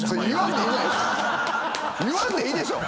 言わんでいいでしょ！